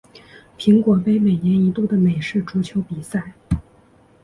苹果杯每年一度的美式足球比赛。